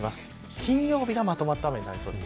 金曜日が、まとまった雨になりそうです。